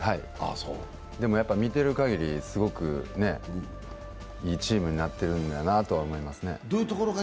でも、見ているかぎり、すごくいいチームになってるんだなとは思いますね。